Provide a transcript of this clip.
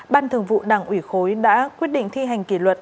ban thường vụ đảng ủy khối đã quyết định thi hành kỷ luật